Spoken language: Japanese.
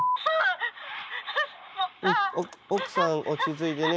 奥さん落ち着いてね。